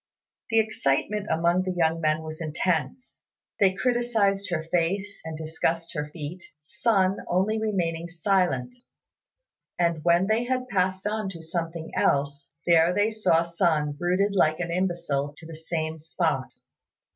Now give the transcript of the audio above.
The excitement among the young men was intense; they criticised her face and discussed her feet, Sun only remaining silent; and when they had passed on to something else, there they saw Sun rooted like an imbecile to the same spot.